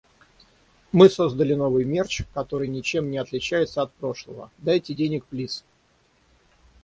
Мы создали новый мерч, который ничем не отличается от прошлого. Дайте денег, плиз!